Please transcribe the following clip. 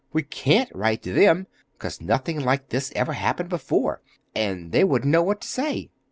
We can't write to them, 'cause nothing like this ever happened before, and they wouldn't know what to say.